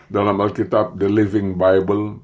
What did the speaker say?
dalam alkitab the living bible